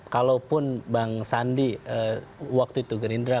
kalaupun bang sandi waktu itu gerindra